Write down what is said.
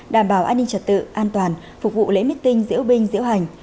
đảm bảo an ninh trật tự an toàn phục vụ lễ mít tinh diễu binh diễu hành